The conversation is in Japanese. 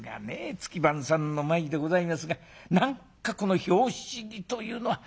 月番さんの前でございますが何かこの拍子木というのは寒がりです」。